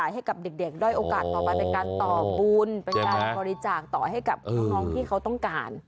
ให้กับพวกน้องที่เขาต้องการ